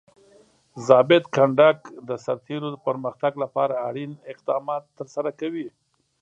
ضابط کنډک د سرتیرو پرمختګ لپاره اړین اقدامات ترسره کوي.